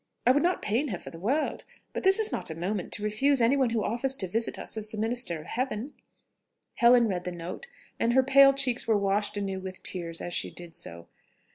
I would not pain her for the world; but this is not a moment to refuse any one who offers to visit us as the minister of Heaven." Helen read the note, and her pale cheeks were washed anew with tears as she did so.